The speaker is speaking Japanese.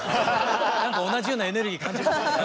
何か同じようなエネルギー感じます。